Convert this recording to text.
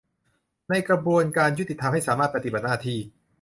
ในกระบวนการยุติธรรมให้สามารถปฏิบัติหน้าที่